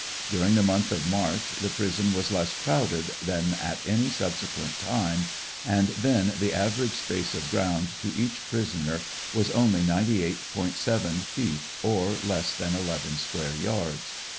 During the month of March the prison was less crowded than at any subsequent time, and then the average space of ground to each prisoner was only 98. 7 feet or less than eleven square yards.